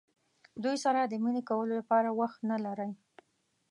دوی سره د مینې کولو لپاره وخت نه لرئ.